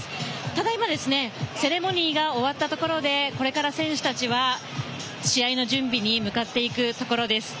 ただいま、セレモニーが終わったところでこれから選手たちは試合の準備に向かっていくところです。